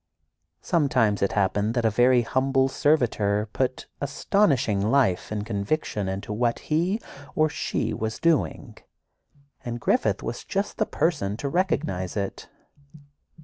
Sometimes it happened that a very humble servitor put astonishing life and conviction into what he, or she, was doing, and Griffith was just the person to recognize it.